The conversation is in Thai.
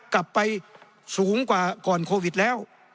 กลับไปสูงกว่าก่อนโควิดแล้ว